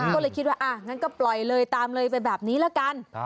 ก็เลยคิดว่าอ่ะงั้นก็ปล่อยเลยตามเลยไปแบบนี้ละกัน